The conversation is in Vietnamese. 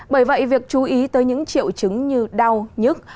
bởi vậy việc chú ý tới những triệu chứng như đau nhức